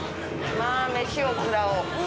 まぁ飯を食らおう。